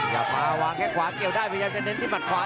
หาวางแค่ไม่กว้างเกี่ยวได้แม้จะเน้นที่ปัดขวา